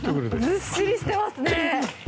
ずっしりしてますね！